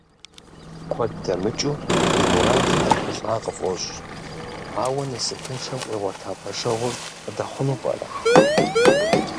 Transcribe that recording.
Куэд дэмыкӀу и мурадыр къехъулӀа къыфӀощӀ, ауэ насыпыншэм къигъуэта пэшэгъур къыдэхъуну пӀэрэ?